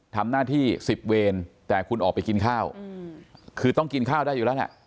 ทำหน้าที่๑๐เวรแต่คุณออกไปกินข้าวคือต้องกินข้าวได้อยู่แล้วแหละ